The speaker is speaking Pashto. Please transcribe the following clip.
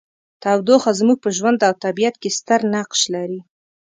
تودوخه زموږ په ژوند او طبیعت کې ستر نقش لري.